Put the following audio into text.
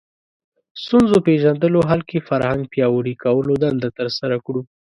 ستونزو پېژندلو حل کې فرهنګ پیاوړي کولو دنده ترسره کړو